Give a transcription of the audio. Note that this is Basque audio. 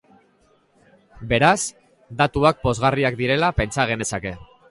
Beraz, datuak pozgarriak direla pentsa genezake.